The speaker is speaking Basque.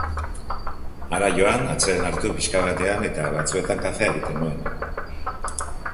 Hara joan, atseden hartu pixka batean, eta batzuetan kafea egiten nuen.